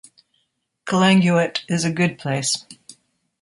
Calanguate is a good place.